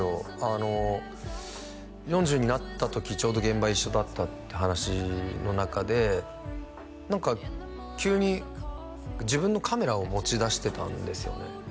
あの４０になった時ちょうど現場一緒だったって話の中で何か急に自分のカメラを持ちだしてたんですよね